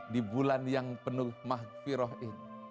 di bulan yang penuh maghfirah ini